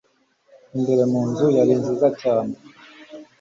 Imbere mu nzu yari nziza cyane.